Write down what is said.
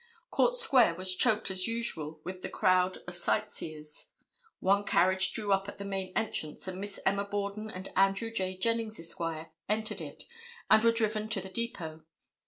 Court Square was choked as usual with a crowd of sightseers. One carriage drew up at the main entrance and Miss Emma Borden and Andrew J. Jennings, Esq., entered it and were driven to the depot.